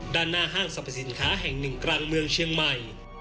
ด้านหน้าห้างสรรพสินค้าแห่งหนึ่งกลางเมืองเชียงใหม่